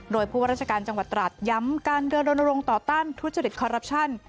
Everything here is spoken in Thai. โดยผู้ว่าราชการจังหวัดตราดย้ำการเดินรณรงค์ต่อต้านทุจริตคอรัปชั่น